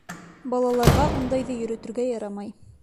Балаларға ундайҙы йөрөтөргә ярамай.